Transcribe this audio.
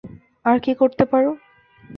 আর কী করতে পারো?